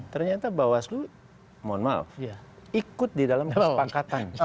ternyata bawaslu mohon maaf ikut di dalam kesepakatan